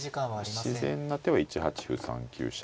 自然な手は１八歩３九飛車